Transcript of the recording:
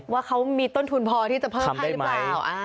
ว่าเขามีต้นทุนพอที่จะเพิ่มให้หรือเปล่า